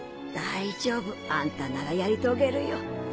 大丈夫あんたならやり遂げるよ。